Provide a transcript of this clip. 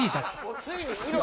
ついに色。